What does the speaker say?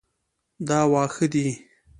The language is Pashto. دا واښه ده